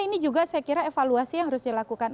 ini juga saya kira evaluasi yang harus dilakukan